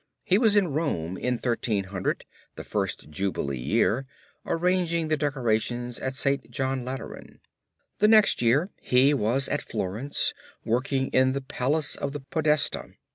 He was in Rome in 1300, the first jubilee year, arranging the decorations at St. John Lateran. The next year he was at Florence, working in the Palace of the Podesta.